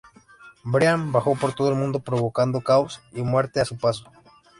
Bryan viajó por todo el mundo provocando caos y muerte a su paso.